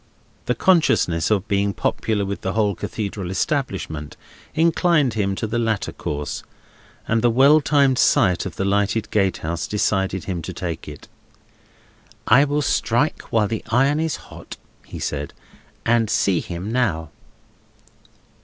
The consciousness of being popular with the whole Cathedral establishment inclined him to the latter course, and the well timed sight of the lighted gatehouse decided him to take it. "I will strike while the iron is hot," he said, "and see him now."